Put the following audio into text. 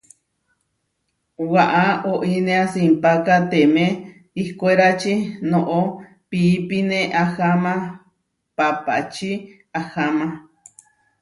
Waʼá oinéa simpákateme ihkwérači, noʼó piípine aháma papáči aháma.